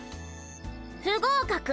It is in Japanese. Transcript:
不合格！